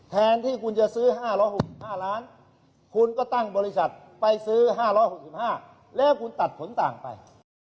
ใครซื้อ๕๖๕บาทแล้วคุณตัดผลต่างไป